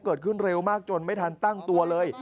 เกิดขึ้นเร็วมากจนไม่ทันตั้งตัวเลย